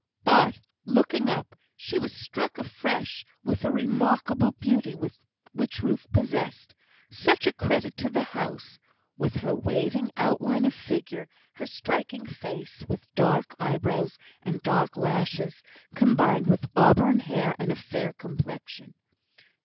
But, looking up, she was struck afresh with the remarkable beauty which Ruth possessed; such a credit to the house, with her waving outline of figure, her striking face, with dark eyebrows and dark lashes, combined with auburn hair and a fair complexion.